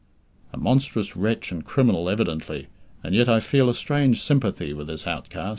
A monstrous wretch and criminal, evidently, and yet I feel a strange sympathy with this outcast.